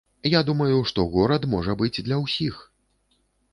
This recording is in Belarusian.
Я думаю, што горад можа быць для ўсіх.